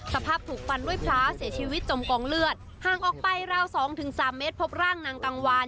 สภาพถูกฟันด้วยพล้าเสียชีวิตจมกองเลือดห่างออกไปราวสองถึงสามเมตรพบร่างนางกังวาน